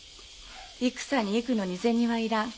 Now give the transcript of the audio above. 戦に行くのに銭は要らん。